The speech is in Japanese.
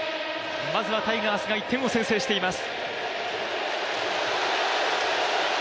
まずはタイガースが１点を先制しています。